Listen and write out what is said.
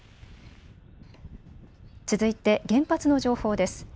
続いて原発の情報です。